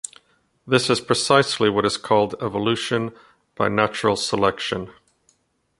This is precisely what is called evolution by natural selection.